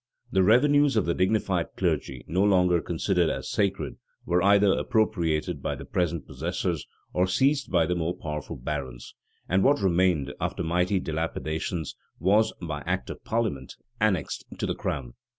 The revenues of the dignified clergy, no longer considered as sacred, were either appropriated by the present possessors, or seized by the more powerful barons; and what remained, after mighty dilapidations, was, by act of parliament, annexed to the crown.